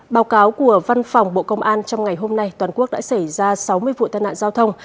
báo cáo của văn phòng bộ công an trong ngày hôm nay toàn quốc đã xảy ra sáu mươi vụ tai nạn giao thông